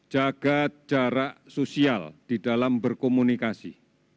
jaga jarak sosial di dalam berkomunikasi